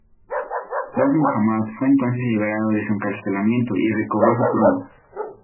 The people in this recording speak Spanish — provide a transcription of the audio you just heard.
Dost Muhammad fue entonces liberado de su encarcelamiento y recobró su trono.